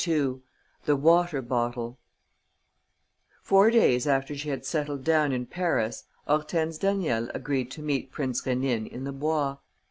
II THE WATER BOTTLE Four days after she had settled down in Paris, Hortense Daniel agreed to meet Prince Rénine in the Bois.